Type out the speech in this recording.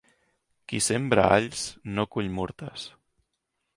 Qui sembra alls, no cull murtes.